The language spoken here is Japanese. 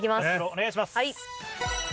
お願いします。